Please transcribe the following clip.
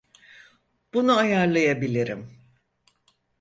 Bunu ayarlayabilirim.